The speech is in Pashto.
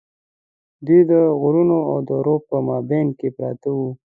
دوی د غرونو او درو په مابین کې پراته وو.